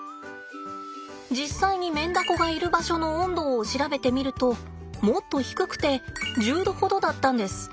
実際にメンダコがいる場所の温度を調べてみるともっと低くて１０℃ほどだったんです。